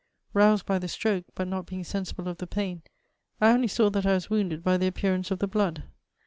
Roused by the stroke, but not being sensible of the pain, I only saw that I was wounded by the appearance of the blood.